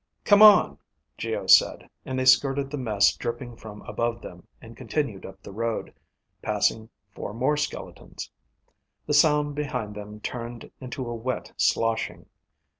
"Come on," Geo said, and they skirted the mess dripping from above them, and continued up the road, passing four more skeletons. The sound behind them turned into a wet sloshing.